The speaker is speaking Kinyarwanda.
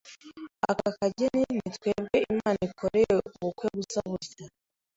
aka kageni ni twebwe Imana ikoreye ubukwe busa butya